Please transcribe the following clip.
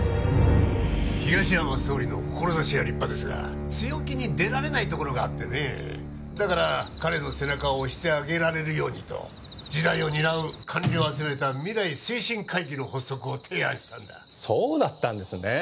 東山総理の志は立派ですが強気に出られないところがあってねえだから彼の背中を押してあげられるようにと次代を担う官僚を集めた未来推進会議の発足を提案したんだそうだったんですね